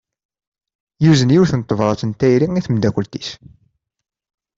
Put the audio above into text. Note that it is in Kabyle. Yuzen yiwet n tebrat n tayri i tmeddakelt-is.